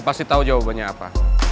lo pasti tau jawabannya apa